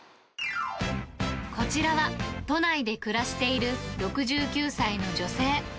こちらは、都内で暮らしている６９歳の女性。